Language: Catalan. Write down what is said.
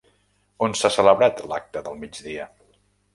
On s'ha celebrat l'acte del migdia?